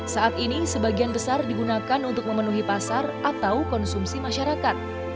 saat ini sebagian besar digunakan untuk memenuhi pasar atau konsumsi masyarakat